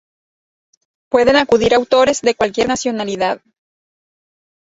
Pueden acudir autores de cualquier nacionalidad.